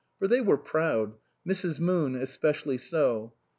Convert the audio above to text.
For they were proud, Mrs. Moon especially so.